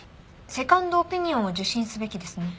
セカンドオピニオンを受診すべきですね。